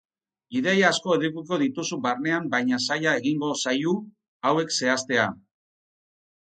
Ideia asko edukiko dituzu barnean vaina zaila egingo zaiu hauek zehaztea.